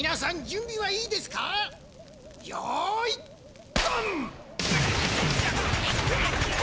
よいドン！